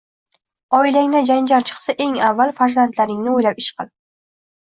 Oilangda janjal chiqsa, eng avval farzandlaringni o’ylab ish qil!